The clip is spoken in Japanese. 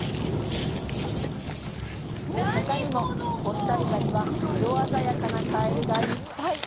ほかにも、コスタリカには色鮮やかなカエルがいっぱい！